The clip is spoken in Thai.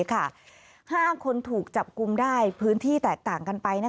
๕คนถูกจับกลุ่มได้พื้นที่แตกต่างกันไป